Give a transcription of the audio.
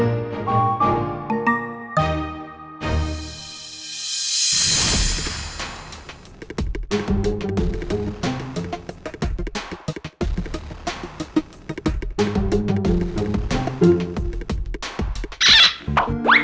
aku mau jalan pulang